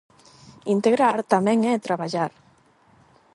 Integrar tamén é traballar.